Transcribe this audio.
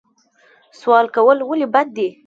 سوال کول ولې بد دي؟